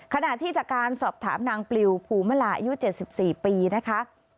ขณะที่จากการสอบถามนางปลิวภูมลาอายุ๗๔ปีนะคะ